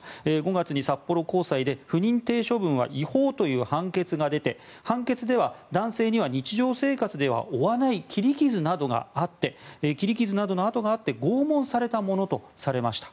５月に札幌高裁で不認定処分は違法という判決が出て判決では男性には日常生活では負わない切り傷などの痕があって拷問されたものとされました。